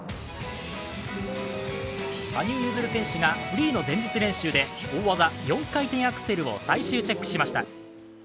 羽生結弦選手がフリーの前日練習で大技、４回転アクセルを最終チェックしました。